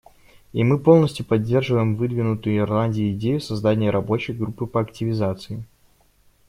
И мы полностью поддерживаем выдвинутую Ирландией идею создания рабочей группы по активизации.